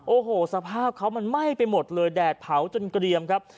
โอ้โหสภาพเขามันไหม้ไปหมดเลยแดดเผาจนเกรียมครับ